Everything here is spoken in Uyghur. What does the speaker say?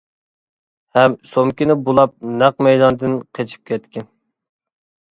ھەم سومكىنى بۇلاپ نەق مەيداندىن قېچىپ كەتكەن.